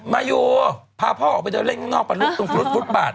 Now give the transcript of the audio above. มายูพาพ่อออกไปเดินเล่นข้างนอกประลุกตรงฟุตบาท